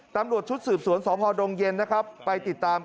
ตำรวจชุดสืบสวนสพดงเย็นนะครับไปติดตาม